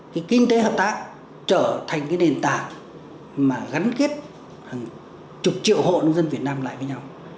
cái kinh tế hợp tác trở thành cái nền tảng mà gắn kết hàng chục triệu hộ nông dân việt nam lại với nhau